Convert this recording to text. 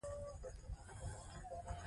که موږ جشن ولمانځو نو د ازادۍ حس پياوړی کيږي.